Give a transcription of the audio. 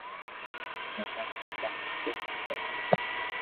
ھمي ھون ڪاو ڪرو تمو رو